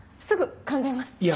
すぐ考えます。